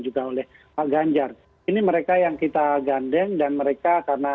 juga oleh pak ganjar ini mereka yang kita gandeng dan mereka karena